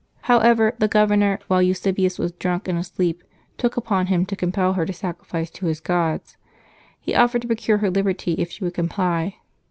However, the governor, while Eusebius was drunk and asleep, took upon him to compel her to sacrifice to his gods. He offered to procure her liberty if she would comply.